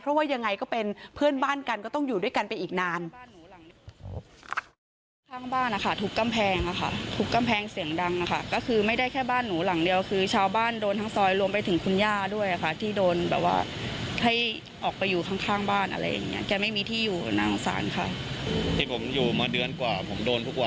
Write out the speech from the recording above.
เพราะว่ายังไงก็เป็นเพื่อนบ้านกันก็ต้องอยู่ด้วยกันไปอีกนาน